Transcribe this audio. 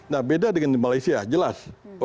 nah beda dengan di malaysia jelas